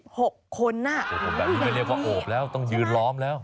โอ้โหแบบนี้ไม่ได้เรียกว่าโอบแล้วต้องยืนล้อมแล้ว